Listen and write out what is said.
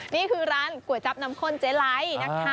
นี่คือร้านก๋วยจับน้ำข้นเจ๊ไลท์นะคะ